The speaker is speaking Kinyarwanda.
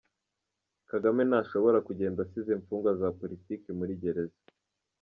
Kagame ntashobora kugenda asize imfungwa za politiki muri gereza.